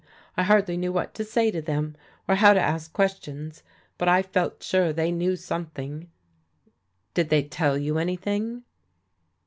I hardly knew what to say to them, or how to ask questions. But I felt sure they knew something." " Did they tell you anything?"